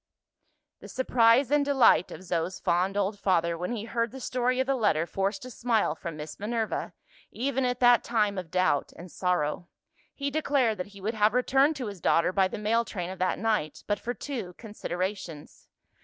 The surprise and delight of Zo's fond old father, when he heard the story of the letter, forced a smile from Miss Minerva, even at that time of doubt and sorrow. He declared that he would have returned to his daughter by the mail train of that night, but for two considerations.